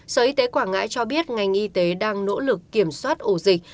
sở y tế quảng ngãi cho biết ngành y tế đang nỗ lực kiểm soát ổ dịch